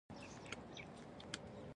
خو وروسته له اوږده رکود او ځوړتیا سره مخ شو.